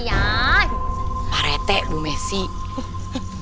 gimana kalau kita bikin pengajian aja